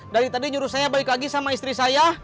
dari tadi nyuruh saya balik lagi sama istri saya